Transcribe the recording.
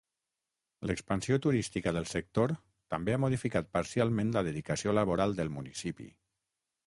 L'expansió turística del sector també ha modificat parcialment la dedicació laboral del municipi.